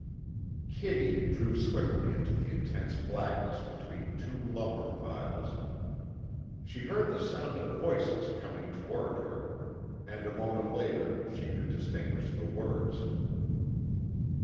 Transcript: Kitty drew swiftly into the intense blackness between two lumber piles. She heard the sound of voices coming toward her, and a moment later she could distinguish the words.